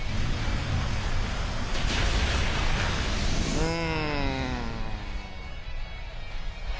うん。